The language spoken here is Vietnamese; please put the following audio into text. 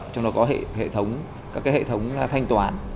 trong đó có hệ thống các hệ thống thanh toán